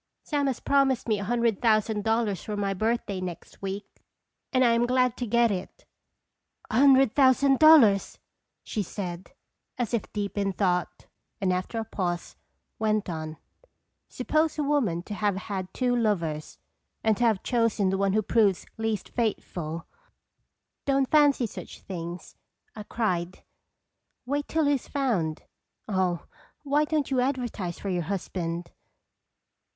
Sam has promised me a hundred thousand dollars for my birth day, next week, and I am glad to get it." 246 "t&tye Second (tarir "A hundred thousand dollars !" she said, as if deep in thought; and after a pause went on :" Suppose a woman to have had two lovers, and to have chosen the one who proves least faithful "" Don't fancy such things !" I cried. "Wait till he is found. Oh, why don't you advertise for your husband?"